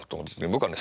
僕はね